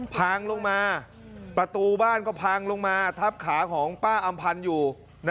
พังลงมาประตูบ้านก็พังลงมาทับขาของป้าอำพันธ์อยู่